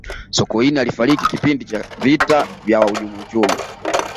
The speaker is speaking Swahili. sokoine alifariki kipindi cha vita ya wahujumu uchumi